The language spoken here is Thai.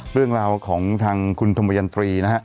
เรื่องราวของทางคุณธมยันตรีนะฮะ